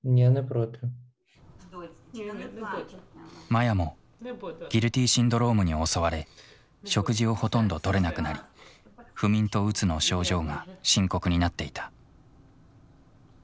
マヤもギルティシンドロームに襲われ食事をほとんどとれなくなり不眠とうつの症状が深刻になっていた。